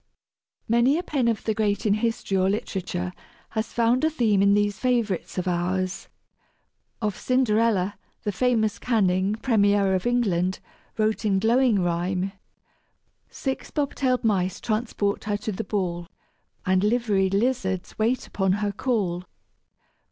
Many a pen of the great in history or literature has found a theme in these favorites of ours. Of Cinderella, the famous Canning, premier of England, wrote in glowing rhyme: "Six bobtailed mice transport her to the ball. And liveried lizards wait upon her call."